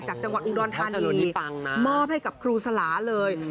จากจังหวัดอุดรธานีมอบให้กับครูสลาเลย